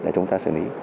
chúng ta xử lý